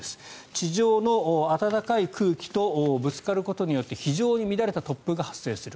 地上の暖かい空気とぶつかることによって非常に乱れた突風が発生する。